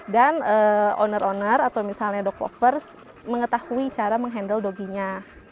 dan owner owner atau misalnya dog lovers mengetahui cara menghandle doginya